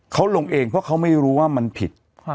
เขาลงเองเพราะเขาไม่รู้ว่ามันผิด